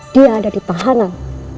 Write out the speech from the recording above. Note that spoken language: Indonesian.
dia ada di pahanan